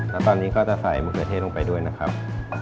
แล้วตอนนี้ก็จะใส่มะเขือเทศลงไปด้วยนะครับ